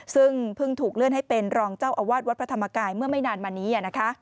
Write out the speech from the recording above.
ซึ่งเพิ่งถูกเลื่อนให้เป็นรองเจ้าอาวาสวัดพระธรรมกายเมื่อไม่นานมานี้